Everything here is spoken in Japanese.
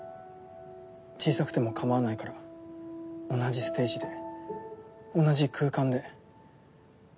小さくてもかまわないから同じステージで同じ空間で。